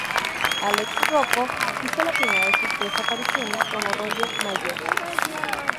Alex Rocco hizo la primera de sus tres apariciones como Roger Meyers.